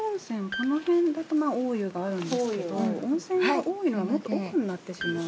この辺だと大湯があるんですけど温泉が大湯はもっと奥になってしまう。